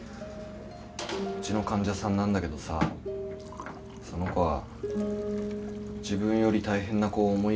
うちの患者さんなんだけどさその子は自分より大変な子を思いやれるんだよ。